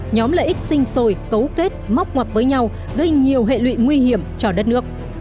nhóm lợi ích sinh sôi cấu kết móc ngoặc với nhau gây nhiều hệ lụy nguy hiểm cho đất nước